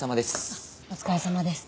あっお疲れさまです。